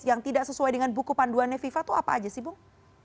yang tidak sesuai dengan buku panduannya fifa itu apa aja sih bung